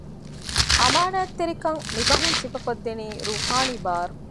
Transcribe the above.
އަމާނާތްތެރިކަން މި ބަހުން ސިފަކޮށް ދެނީ ރޫޙާނީ ބާރު